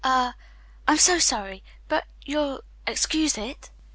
Er I'm so sorry! But you'll excuse it?"